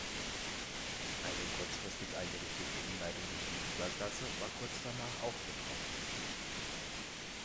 Eine kurzfristig eingerichtete Umleitung durch die Biebergasse war kurz danach auch betroffen.